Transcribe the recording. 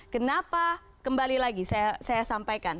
kenapa kembali lagi saya sampaikan